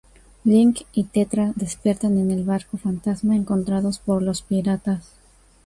Link y Tetra despiertan en el Barco Fantasma encontrados por los piratas.